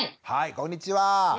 こんにちは。